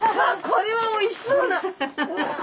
あこれはおいしそうな！